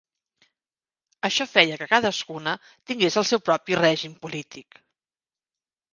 Això feia que cadascuna tingués el seu propi règim polític.